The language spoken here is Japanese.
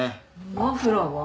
マフラーは？